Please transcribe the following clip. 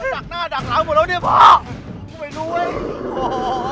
ดักหน้าดักหลังหมดแล้วเนี่ยพ่อ